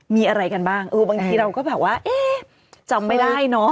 มีอะไรกันบ้างเออบางทีเราก็แบบว่าเอ๊ะจำไม่ได้เนอะ